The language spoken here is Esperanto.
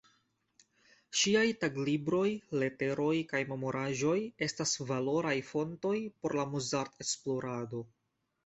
Ŝiaj taglibroj, leteroj kaj memoraĵoj estas valoraj fontoj por la Mozart-esplorado.